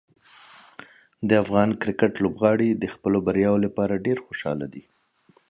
د افغان کرکټ لوبغاړي د خپلو بریاوو لپاره ډېر خوشحاله دي.